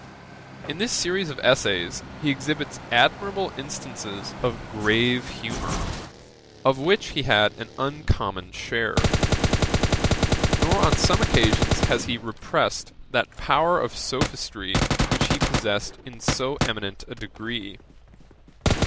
In this series of essays he exhibits admirable instances of grave humour, of which he had an uncommon share. Nor on some occasions has he repressed that power of sophistry which he possessed in so eminent a degree.